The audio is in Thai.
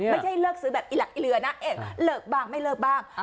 ไม่ใช่เลิกซื้อแบบอีหลักอิเหลือนะเลิกบ้างไม่เลิกบ้าง